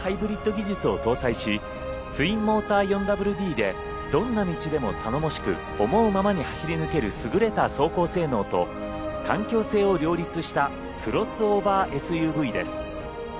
技術を搭載し、ツインモーター４ＷＤでどんな道でも頼もしく思うままに走り抜ける優れた走行性能と環境性を両立したクロスオーバーＳＵＶです。